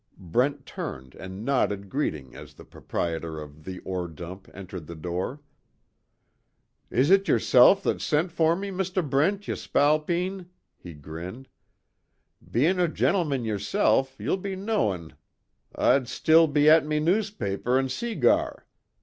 Brent turned and nodded greeting as the proprietor of "The Ore Dump" entered the door. "Is it yersilf that sint fer me, Mister Brint, ye spalpeen?" he grinned, "Bein' a gintleman yersilf, ye'll be knowin' Oi'd still be at me newspaper an' seegar.